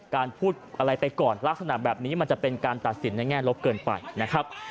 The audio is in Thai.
พูดอะไรไปก่อนลักษณะแบบนี้มันจะเป็นการตัดสินในแง่ลบเกินไปนะครับ